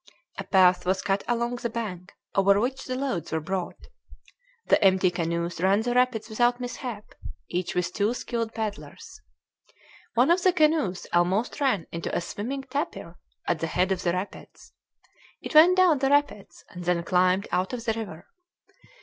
A path was cut along the bank, over which the loads were brought. The empty canoes ran the rapids without mishap, each with two skilled paddlers. One of the canoes almost ran into a swimming tapir at the head of the rapids; it went down the rapids, and then climbed out of the river.